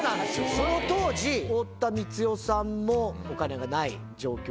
その当時、太田光代さんもお金がない状況。